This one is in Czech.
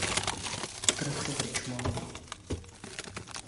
Trh v Richmondu.